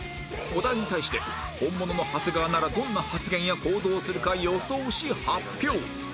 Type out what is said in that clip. お題に対して本物の長谷川ならどんな発言や行動をするか予想し発表